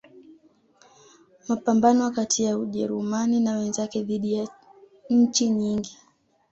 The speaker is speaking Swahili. Mapambano kati ya Ujerumani na wenzake dhidi ya nchi nyingi